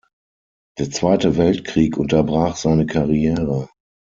Der Zweite Weltkrieg unterbrach seine Karriere.